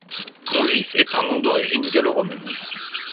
Congis est un nom d'origine gallo-romaine.